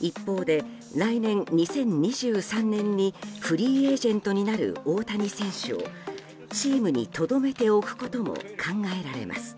一方で来年２０２３年にフリーエージェントになる大谷選手をチームにとどめておくことも考えられます。